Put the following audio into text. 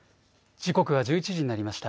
時刻は１１時になりました。